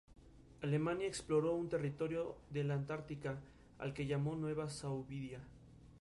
Sin embargo, termina centrándose en la filosofía, alejándose de los enfoques jurídicos.